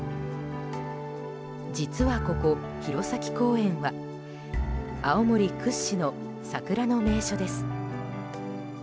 実はここ、弘前公園は青森屈指の桜の名所です。